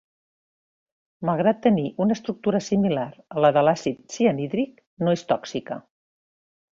Malgrat tenir una estructura similar a la de l'àcid cianhídric, no és tòxica.